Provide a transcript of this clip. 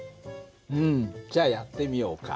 うんじゃあやってみようか。